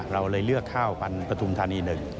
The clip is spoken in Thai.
เราเลยเลือกข้าวปันประทุมธานี๑